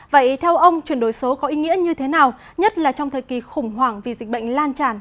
vậy theo ông chuyển đổi số có ý nghĩa như thế nào nhất là trong thời kỳ khủng hoảng vì dịch bệnh lan tràn